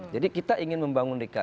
jadi kita ingin membangun dki